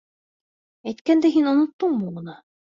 Әйткәндәй, һин оноттоңмо уны?